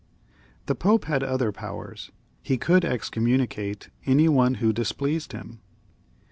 The Pope had other powers ; he could excommunicate any one who displeased him.